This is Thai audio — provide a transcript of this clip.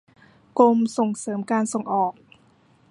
กรมส่งเสริมการส่งออก